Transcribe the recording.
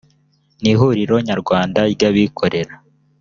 n ihuriro nyarwanda ry abikorera